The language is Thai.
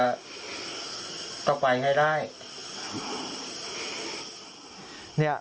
ก็ไปให้ได้